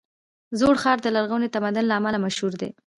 زوړ ښار د لرغوني تمدن له امله مشهور دی.